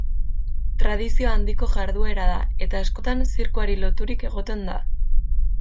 Tradizio handiko jarduera da eta, askotan, zirkuari loturik egoten da.